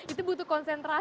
itu butuh konsentrasi